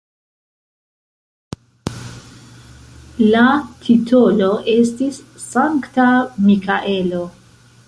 La titolo estis Sankta Mikaelo.